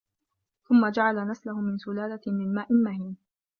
ثُمَّ جَعَلَ نَسلَهُ مِن سُلالَةٍ مِن ماءٍ مَهينٍ